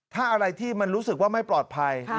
ถ้าอะไรที่มันรู้สึกว่าไม่ปลอดภัย